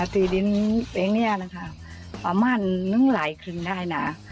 ตีดินเองเนี่ยนะคะประมาณนึงหลายครึ่งได้นะ